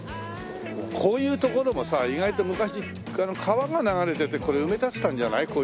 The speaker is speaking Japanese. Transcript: こういう所もさ意外と昔川が流れててこれ埋め立てたんじゃない？